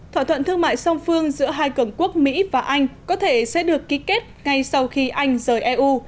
thỏa thuận thương mại song phương giữa hai cường quốc mỹ và anh có thể sẽ được ký kết ngay sau khi anh rời eu